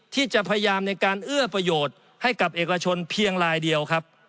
ที่จะพยายามในการเอื้อประโยชน์ให้กับเอกชนเพียงลายเดียวครับ